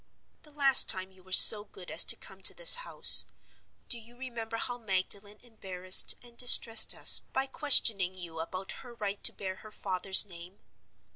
"The last time you were so good as to come to this house, do you remember how Magdalen embarrassed and distressed us by questioning you about her right to bear her father's name?